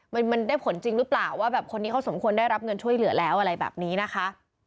มันได้ผลจริงหรือเปล่าว่าแบบคนนี้เขาสมควรได้รับเงินช่วยเหลือแล้วอะไรแบบนี้นะคะ